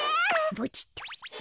ボチっと。